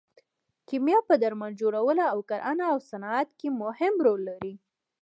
کیمیا په درمل جوړولو او کرنه او صنعت کې مهم رول لري.